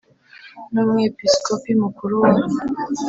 N umwepisikopi mukuru wa